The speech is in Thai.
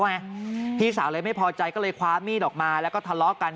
พี่สาวเลยไม่พอใจก็เลยคว้ามีดออกมาแล้วก็ทะเลาะกัน